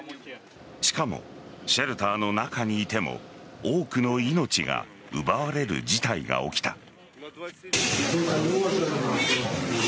しかもシェルターの中にいても多くの命が奪われる事態が起きた。